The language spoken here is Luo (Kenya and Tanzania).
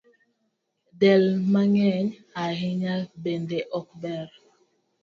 Del mang’eny ahinya bende ok ber